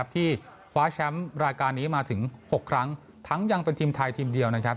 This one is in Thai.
ที่คว้าแชมป์รายการนี้มาถึง๖ครั้งทั้งยังเป็นทีมไทยทีมเดียวนะครับ